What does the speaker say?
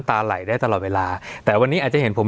สวัสดีครับทุกผู้ชม